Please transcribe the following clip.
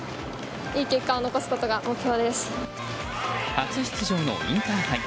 初出場のインターハイ。